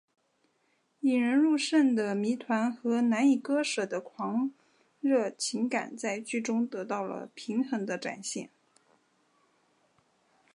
引人入胜的谜团和难以割舍的狂热情感在剧中得到了平衡的展现。